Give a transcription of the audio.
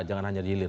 jangan hanya di hilir